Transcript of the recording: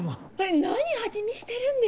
何味見してるんですか